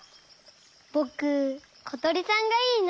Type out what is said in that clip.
ぼくことりさんがいいな。